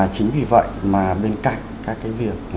chính vì vậy mà bên cạnh các cái việc